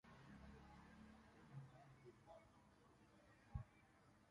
Es la institución que constituye el antecedente histórico del Patrimonio Nacional.